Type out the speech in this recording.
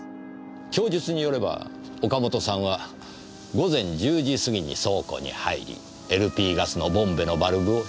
供述によれば岡本さんは午前１０時過ぎに倉庫に入りＬＰガスのボンベのバルブを開いた。